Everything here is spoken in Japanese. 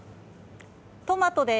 トマトです。